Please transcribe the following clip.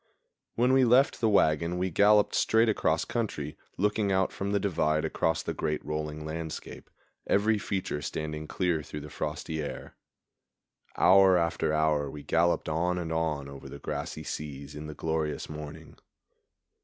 When we left the wagon we galloped straight across country, looking out from the divide across the great rolling landscape, every feature standing clear through the frosty air. Hour after hour we galloped on and on over the grassy seas in the glorious morning.